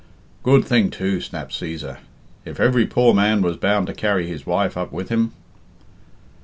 "Good thing too," snapped Cæsar, "if every poor man was bound to carry his wife up with him."